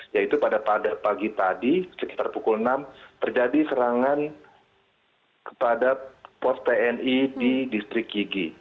yaitu pada pagi tadi sekitar pukul enam terjadi serangan kepada pos tni di distrik yigi